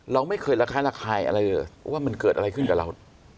เราไม่เคยระคายระคายอะไรเลยว่ามันเกิดอะไรขึ้นกับเรา